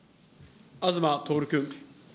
東徹君。